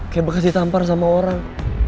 kayak bekas ditampar sama orang